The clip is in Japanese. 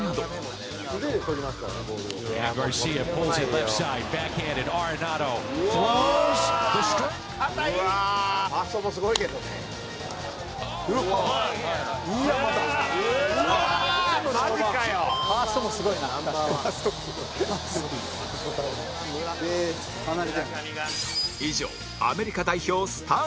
以上アメリカ代表スター軍団でした